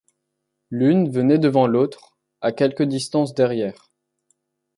L’une venait devant, l’autre, à quelque distance, derrière.